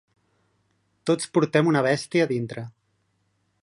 Tots portem una bèstia dintre.